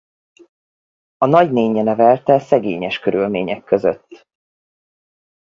A nagynénje nevelte szegényes körülmények között.